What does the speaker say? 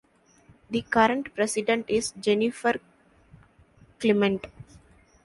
The current President is Jennifer Clement.